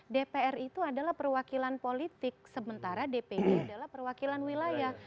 dpr itu adalah perwakilan politik sementara dpd adalah perwakilan wilayah